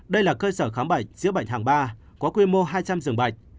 đây là cơ sở khám bệnh chữa bệnh hàng ba có quy mô hai trăm linh dường bệnh